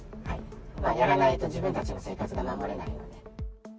やらないと自分たちの生活が守れ